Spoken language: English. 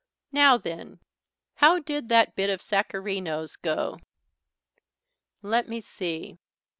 "Now then, how did that bit of Sacharino's go? Let me see."